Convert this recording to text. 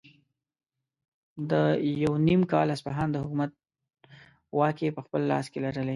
ده یو نیم کال اصفهان د حکومت واکې په خپل لاس کې لرلې.